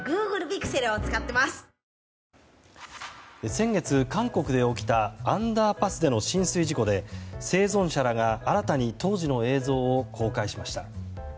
先月、韓国で起きたアンダーパスでの浸水事故で生存者らが新たに当時の映像を公開しました。